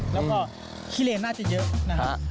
แล้วก็ขี้เลนน่าจะเยอะนะครับ